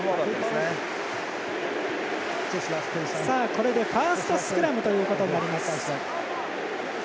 これでファーストスクラムということになります。